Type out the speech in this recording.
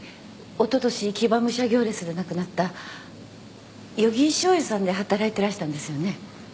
おととし騎馬武者行列で亡くなった余木醤油さんで働いてらしたんですよね？